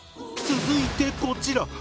続いてこちら！